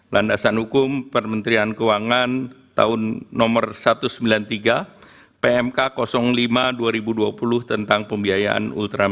landasan hukum permentrian keuangan tahun nomor satu ratus sembilan puluh tiga pmk lima dua ribu dua puluh tentang pembiayaan ultramik